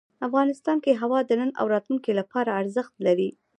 افغانستان کې هوا د نن او راتلونکي لپاره ارزښت لري.